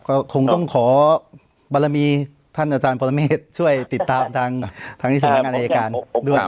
ครับก็คงต้องขอบารมีท่านอาจารย์พลเมฆช่วยติดตามทางทางนิสัยงานอายการด้วยครับ